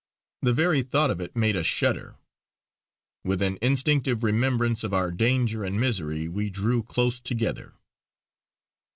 The very thought of it made us shudder; with an instinctive remembrance of our danger and misery we drew close together.